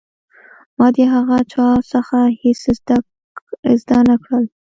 ما د هغه چا څخه هېڅ زده نه کړل.